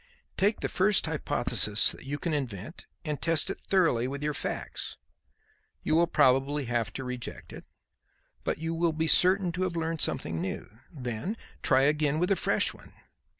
Take the first hypothesis that you can invent and test it thoroughly with your facts. You will probably have to reject it, but you will be certain to have learned something new. Then try again with a fresh one.